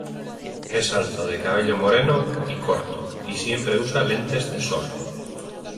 Es alto, de cabello moreno y corto, y siempre usa lentes de sol.